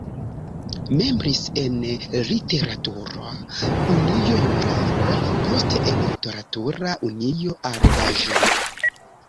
Membris en Literatura Unio "Junularo", poste en Literatura unio "Altaĵo".